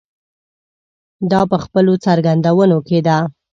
دا په خپلو څرګندونو کې ده.